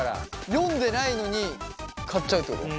読んでないのに買っちゃうってこと？